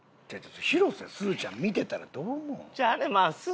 広瀬すずちゃん見てたらどう思うん？